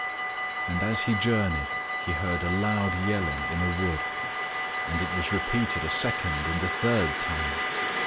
And as he journeyed he heard a loud yelling in a wood. And it was repeated a second and a third time.